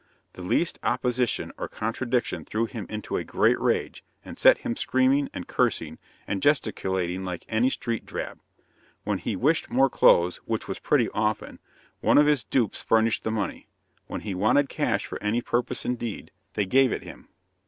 The least opposition or contradiction threw him into a great rage, and set him screaming, and cursing, and gesticulating like any street drab. When he wished more clothes, which was pretty often, one of his dupes furnished the money. When he wanted cash for any purpose indeed, they gave it him.